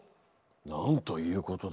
なんということだ。